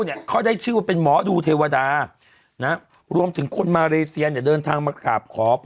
เนี่ยคอได้ชื่อเป็นหมอดูเทวดาระรวมถึงคนมาเลเซียนเนื่องทางมาขาดขอพ่อ